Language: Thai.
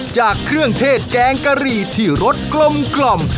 จากเครื่องเทศแกงกะหรี่ที่รสกลม